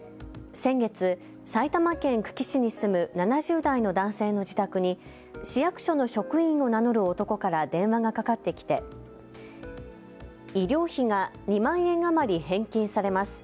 先月、埼玉県久喜市に住む７０代の男性の自宅に市役所の職員を名乗る男から電話がかかってきて医療費が２万円余り返金されます。